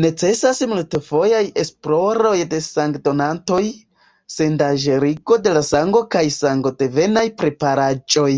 Necesas multfojaj esploroj de sangdonantoj, sendanĝerigo de la sango kaj sangodevenaj preparaĵoj.